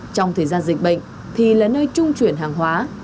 trong thời gian dịch bệnh thì là nơi trung chuyển hàng hóa